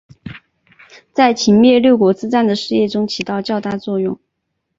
在秦灭六国之战的事业中起了较大作用。